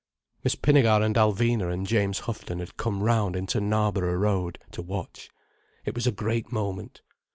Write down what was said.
Miss Pinnegar and Alvina and James Houghton had come round into Knarborough Road to watch. It was a great moment.